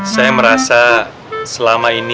saya merasa selama ini